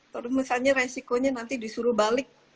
terus misalnya resikonya nanti disuruh balik